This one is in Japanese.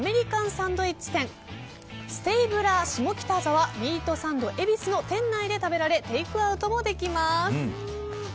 サンドイッチ店ステイブラーシモキタザワミートサンドエビスの店内で食べられテイクアウトもできます。